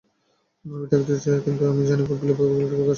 আমি থাকতেই চাই, কিন্তু আমি জানি ফুটবলে ব্যাপারগুলো কীভাবে কাজ করে।